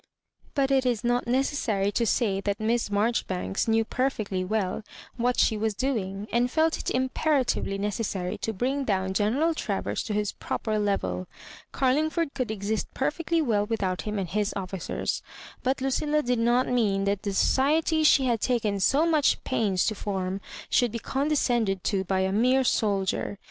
But it is not necessary to say that Miss Marjoribanks knew perfectly well what she was doing, and felt it imperatively necessary to bring down Greneral Travers to his proper level Carling ford could exist perfectly well without him and his officers ; but Lucilla did not mean that the society she had taken so much pains to form should be condescended to by a mere soldier.